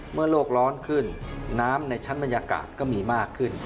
โลกร้อนขึ้นน้ำในชั้นบรรยากาศก็มีมากขึ้น